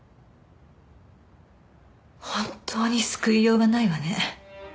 本当に救いようがないわね。